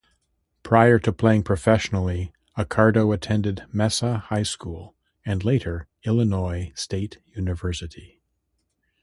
Prior to playing professionally, Accardo attended Mesa High School and later Illinois State University.